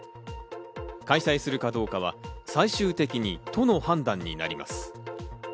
開催するかどうかは最終的に都の判断になります。